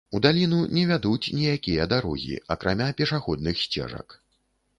У даліну не вядуць ніякія дарогі, акрамя пешаходных сцежак.